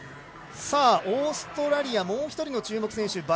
オーストラリア、もう一人の注目選手